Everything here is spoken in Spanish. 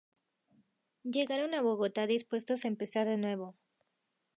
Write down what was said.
Llegaron a Bogotá dispuestos a empezar de nuevo.